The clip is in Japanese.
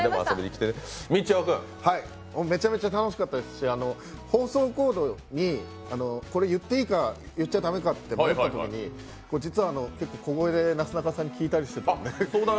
めちゃめちゃ楽しかったですし、放送コードに、これ言っていいか駄目か迷ったときに実は小声でなすなかさんに聞いたりしてて。